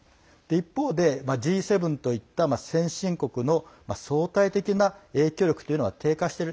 一方でＧ７といった先進国の相対的な影響力というのは低下している。